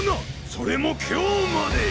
それも今日まで！